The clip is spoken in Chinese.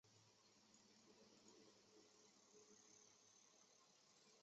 华山报春为报春花科报春花属下的一个种。